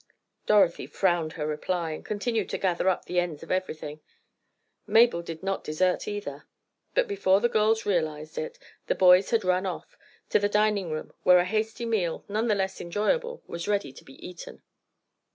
Dorothy frowned her reply, and continued to gather up the ends of everything. Mabel did not desert either, but before the girls realized it, the boys had run off—to the dining room where a hasty meal, none the less enjoyable, was ready to be eaten.